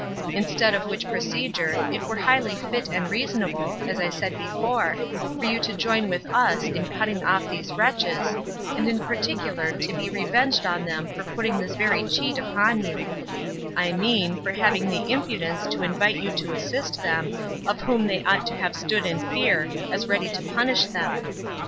Instead of which procedure, it were highly fit and reasonable, as I said before, for you to join with us in cutting off these wretches, and in particular to be revenged on them for putting this very cheat upon you; I mean, for having the impudence to invite you to assist them, of whom they ought to have stood in fear, as ready to punish them.